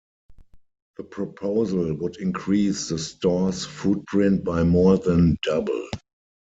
The proposal would increase the store's footprint by more than double.